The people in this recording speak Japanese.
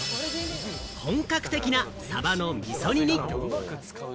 本格的なサバのみそ煮に。